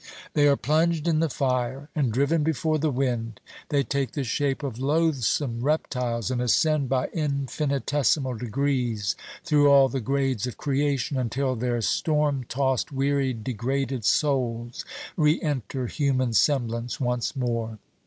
They are plunged in the fire, and driven before the wind; they take the shape of loathsome reptiles, and ascend by infinitesimal degrees through all the grades of creation, until their storm tost wearied degraded souls re enter human semblance once more.